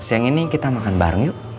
siang ini kita makan bareng yuk